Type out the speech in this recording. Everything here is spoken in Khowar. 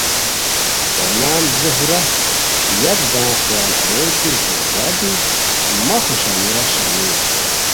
ہتو نام زہرہ یکدم خیال اریر کی زہرہ دی مہ خوشانیہ شامل ہوئے